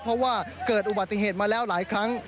เพราะว่าเกิดอุบัติเหตุมาแล้วหลายครั้ง